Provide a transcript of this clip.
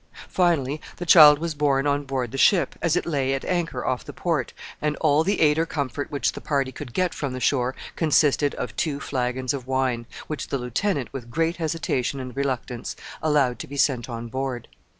Finally, the child was born on board the ship, as it lay at anchor off the port, and all the aid or comfort which the party could get from the shore consisted of two flagons of wine, which the lieutenant, with great hesitation and reluctance, allowed to be sent on board.